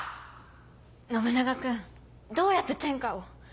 信長君どうやって天下を？